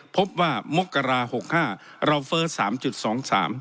พบว่ามกรา๖๕เราเฟิร์ส๓๒๓